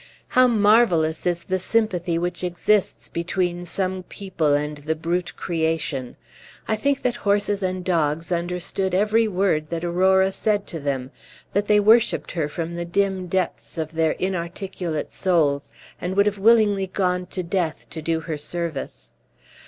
How marvellous is the sympathy which exists between some people and the brute creation! I think that horses and dogs understood every word that Aurora said to them that they worshipped her from the dim depths of their inarticulate souls, and would have willingly gone to death to do her service.